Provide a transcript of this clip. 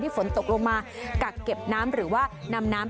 ฝนตกลงมากักเก็บน้ำหรือว่านำน้ำ